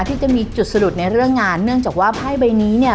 ที่จะมีจุดสะดุดในเรื่องงานเนื่องจากว่าไพ่ใบนี้เนี่ย